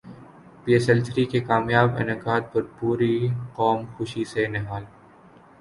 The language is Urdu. پی ایس ایل تھری کے کامیاب انعقاد پر پوری قوم خوشی سے نہال